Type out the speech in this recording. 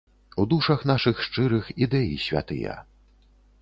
У душах нашых шчырых ідэі святыя.